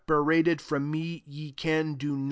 rated from me, ye can do no thing.